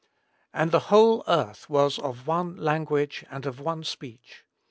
"And the whole earth was of one language and of one speech.